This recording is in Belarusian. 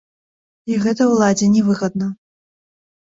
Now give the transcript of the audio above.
І гэта ўладзе не выгадна.